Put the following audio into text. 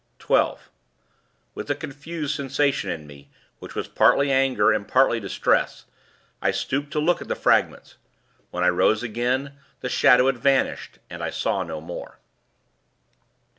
"12. With a confused sensation in me, which was partly anger and partly distress, I stooped to look at the fragments. When I rose again, the Shadow had vanished, and I saw no more.